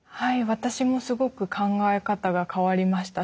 私もすごく考え方が変わりました。